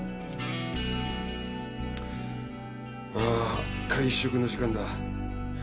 ああ会食の時間だ。